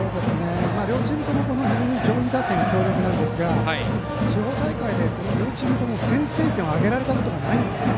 両チームとも非常に上位打線が強力ですが地方大会で両チームとも先制点を挙げられたことがないんです。